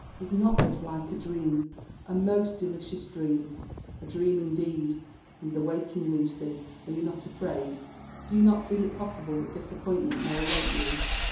— ^Is not this like a dream — a most delicious dream?" '* A dream, indeed !— And the waking, Lucy ? Are you not afraid?— do you not feel it possible that disappointment may await you